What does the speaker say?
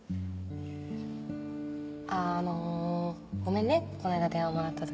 あのごめんねこの間電話もらった時。